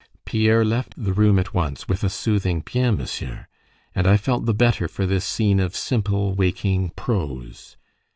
Pierre left the room at once, with a soothing "Bien, Monsieur"; and I felt the better for this scene of simple, waking prose.